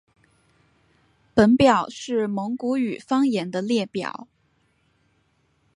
本表是蒙古语方言的列表。